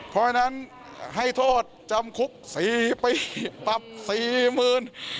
เพราะฉะนั้นให้โทษจำคุก๔ปีปรับสี่หมื่น